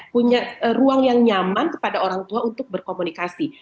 punya ruang yang nyaman kepada orang tua untuk berkomunikasi